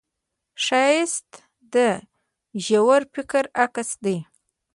ښایست د ژور فکر عکس دی